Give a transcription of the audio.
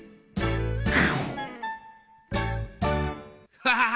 ハハハハ。